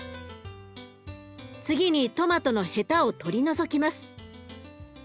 次にトマトのヘタを取り除きます。